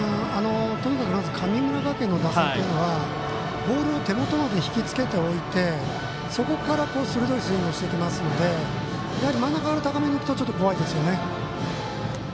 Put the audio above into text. とにかく神村学園の打線というのはボールを手元まで引きつけておいてそこから鋭いスイングをしていきますので真ん中高めに浮くと怖いですよね。